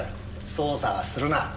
捜査はするな。